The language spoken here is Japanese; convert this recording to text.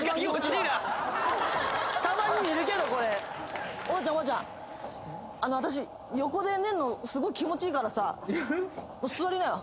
たまにいるけどこれあの私横で寝んのすごい気持ちいいからさ座りなよ